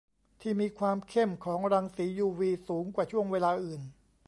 ที่มีความเข้มของรังสียูวีสูงกว่าช่วงเวลาอื่น